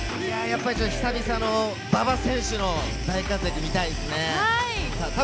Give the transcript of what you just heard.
久々の馬場選手を見たいですね。